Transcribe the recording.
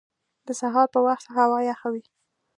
د سهار په وخت هوا یخه وي